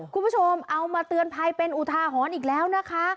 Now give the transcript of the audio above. คุณผู้ชมเอามาเตือนภัยเป็นอุทาหรณ์อีกแล้วนะคะ